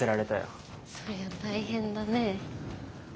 そりゃ大変だね。